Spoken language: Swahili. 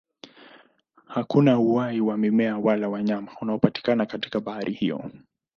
Hakuna uhai wa mimea wala wanyama unaopatikana katika bahari hiyo.